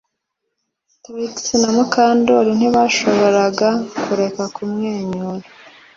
Trix na Mukandoli ntibashoboraga kureka kumwenyura